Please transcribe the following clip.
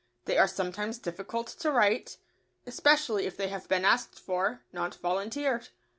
They are sometimes difficult to write, especially if they have been asked for, not volunteered.